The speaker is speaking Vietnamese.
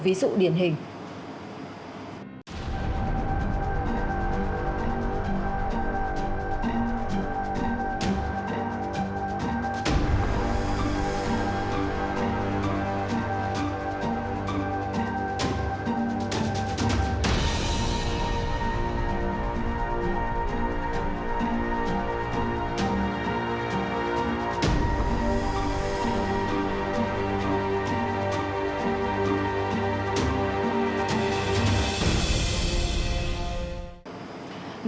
ví dụ điển hình